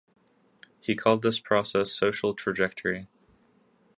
He called this process "social trajectory".